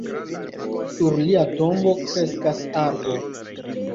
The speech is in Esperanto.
Sur lia tombo kreskas arbo.